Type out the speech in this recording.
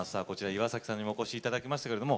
こちら岩崎さんにもお越しいただきました。